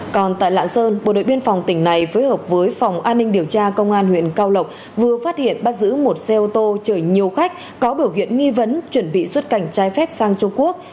còn tại lạng sơn bộ đội biên phòng tỉnh này phối hợp với phòng an ninh điều tra công an huyện cao lộc vừa phát hiện bắt giữ một xe ô tô chở nhiều khách có biểu hiện nghi vấn chuẩn bị xuất cảnh trái phép sang trung quốc